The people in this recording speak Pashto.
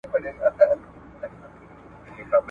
چي په ښکار به د مرغانو وو وتلی ,